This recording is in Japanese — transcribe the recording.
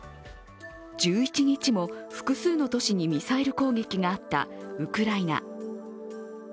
１１日も、複数の都市にミサイル攻撃があったウクライナ。